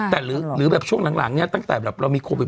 แต่หรือแบบช่วงหลังเนี่ยตั้งแต่แบบเรามีโควิด